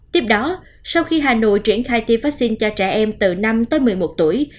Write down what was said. tiếp đó sau khi hà nội triển khai tiêm vaccine cho trẻ em từ năm tới một mươi một tuổi